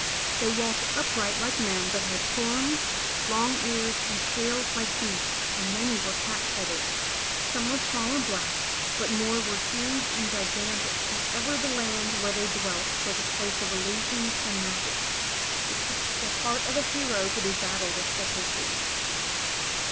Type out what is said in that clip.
They walked upright like men but had horns, long ears, and tails like beasts and many were cat headed. Some were small and black, but more were huge and gigantic, and ever the land where they dwelt was a place of illusions and magic. It took the heart of a hero to do battle with such as these.